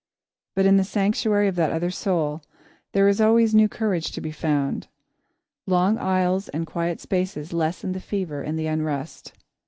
But in the sanctuary of that other soul, there is always new courage to be found. Long aisles and quiet spaces lessen the fever and the unrest.